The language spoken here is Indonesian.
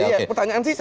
iya pertanyaan sisa ya